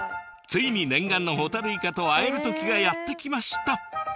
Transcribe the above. ついに念願のホタルイカと会えるときがやって来ました。